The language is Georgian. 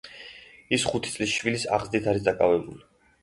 ის ხუთი წლის შვილის აღზრდით არის დაკავებული.